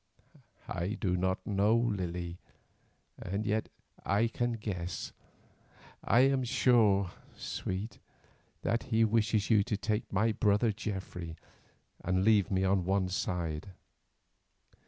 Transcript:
"I do not know, Lily, and yet I can guess. I am sure, sweet, that he wishes you to take my brother Geoffrey, and leave me on one side."